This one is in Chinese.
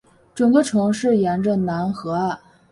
整个城市沿着楠河岸。